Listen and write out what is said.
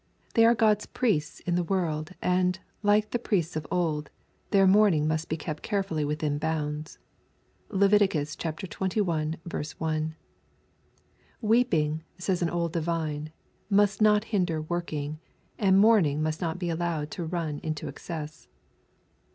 They are God's priests in the world, and, like the priests of old, their mourning must be kept carefully within bounds. (Lev. xxi. 1.) "Weeping," says an old divine, "must not hinder working," and mourning must not be allowed to run into excess.